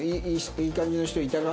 いい感じの人いたか？